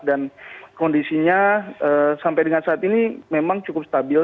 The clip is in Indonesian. dan kondisinya sampai dengan saat ini memang cukup stabil